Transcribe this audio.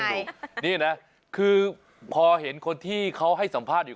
ใช่นี่นะคือพอเห็นคนที่เขาให้สัมภาษณ์อยู่